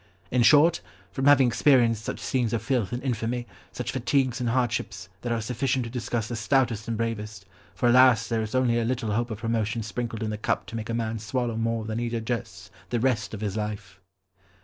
In short, from having experienced such scenes of filth and infamy, such fatigues and hardships, that are sufficient to disgust the stoutest and bravest, for alas there is only a little hope of promotion sprinkled in the cup to make a man swallow more than he digests the rest of his life."